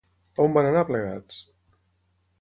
On van anar plegats?